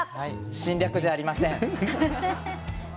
侵略じゃありません。